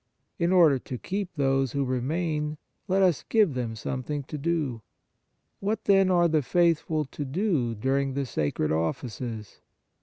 In order to keep those who remain, let us give them something to do. What, then, are the faithful to do during the sacred offices